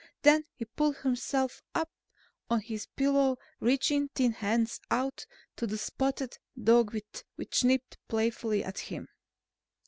Then he pulled himself up on his pillow, reaching thin hands out to the spotted dog which nipped playfully at him.